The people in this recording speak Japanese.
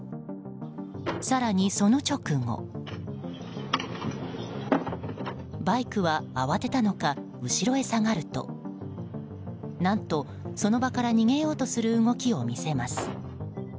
更に、その直後バイクは慌てたのか後ろへ下がると何とその場から逃げようとする動きを見せます。